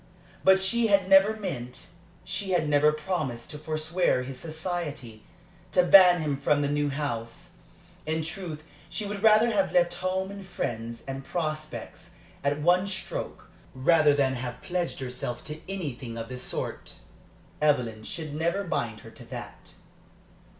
But she had never meant, she had never promised to forswear his society, to ban him from the new house. In truth she would rather have left home and friends and prospects, at one stroke, rather than have pledged herself to anything of the sort. Evelyn should never bind her to that.